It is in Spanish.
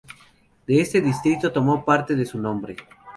De este distrito tomó parte de su nombre.